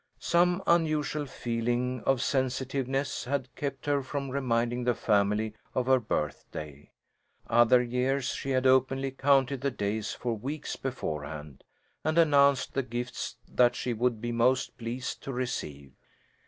Some unusual feeling of sensitiveness had kept her from reminding the family of her birthday. Other years she had openly counted the days, for weeks beforehand, and announced the gifts that she would be most pleased to receive.